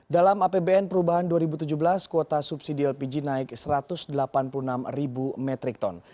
dalam apbn perubahan dua ribu tujuh belas kuota subsidi lpg naik satu ratus delapan puluh enam metrik ton